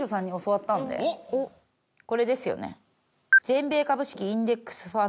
これですよね。